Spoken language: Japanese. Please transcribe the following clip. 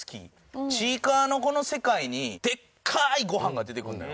『ちいかわ』のこの世界にでっかーいご飯が出てくるのよ。